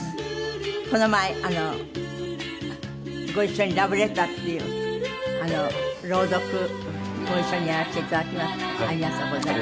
この前ご一緒に『ラヴ・レターズ』っていう朗読ご一緒にやらせて頂きましてありがとうございました。